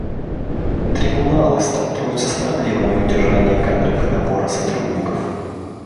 Трибуналы сталкиваются с проблемами удержания кадров и набора сотрудников.